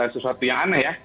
sesuatu yang aneh ya